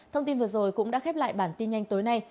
thông tin vừa rồi cũng đã khép lại bản tin nhanh tối nay